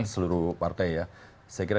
seluruh partai ya saya kira